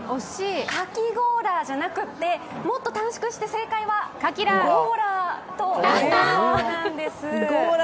かきごーらーじゃなくてもっと短縮して、正解はゴーラーです。